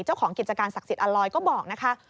เจ้าของกิจการศักดิ์อัลลอยก็บอกนะคะ